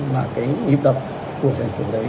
mà cái nghiệp đập của thành phố đấy